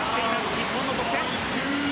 日本の得点。